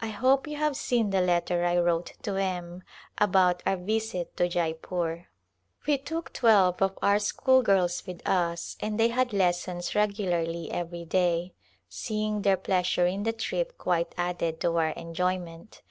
I hope you have seen the letter I wrote to M about our visit to Jeypore. We took twelve of our [i8oJ Call to Rajpiitana schoolgirls with us and they had lessons regularly every day. Seeing their pleasure in the trip quite added to our enjoyment.